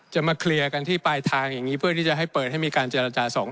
มาเคลียร์กันที่ปลายทางอย่างนี้เพื่อที่จะให้เปิดให้มีการเจรจาสองคน